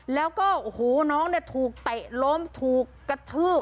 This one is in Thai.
แล้วก็โอ้โหน้องเนี่ยถูกเตะล้มถูกกระทืบ